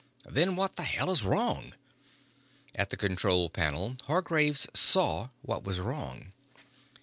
"Then what the hell is wrong?" At the control panel, Hargraves saw what was wrong.